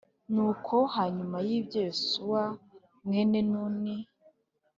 Nuko hanyuma y ibyo yosuwa mwene nuni